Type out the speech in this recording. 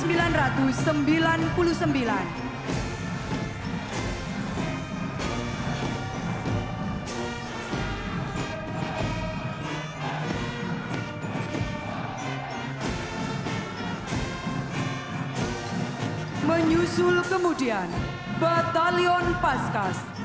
yang sehari harinya menjabat sebagai komandan wing dua paskas